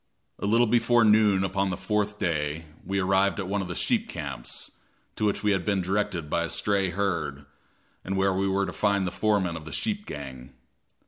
A little before noon upon the fourth day, we arrived at one of the sheep camps, to which we had been directed by a stray herd, and where we were to find the foreman of the sheep gang.